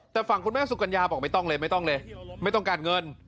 แต่ฝั่งคุณแม่สุกัญญาบอกไม่ต้องเลยไม่ต้องเลยไม่ต้องการเงิน